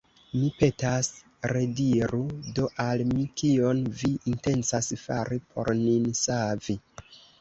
Mi petas, rediru do al mi, kion vi intencas fari por nin savi.